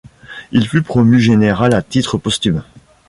Il fut promu général à titre posthume.